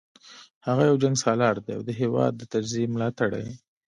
هغه یو جنګسالار دی او د هیواد د تجزیې ملاتړی